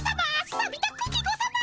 さびたクギ子さま！